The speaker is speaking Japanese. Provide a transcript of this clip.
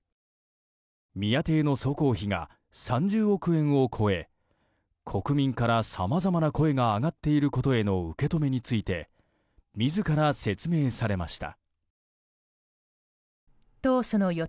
宮邸の総工費が３０億円を超え国民からさまざまな声が上がっていることへの受け止めについて自ら説明されました。